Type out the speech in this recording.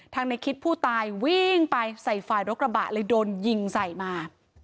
ในคิดผู้ตายวิ่งไปใส่ฝ่ายรถกระบะเลยโดนยิงใส่มา